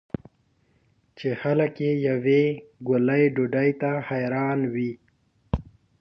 چې خلک یې یوې ګولې ډوډۍ ته حیران وي.